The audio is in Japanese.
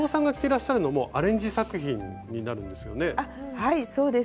はいそうです。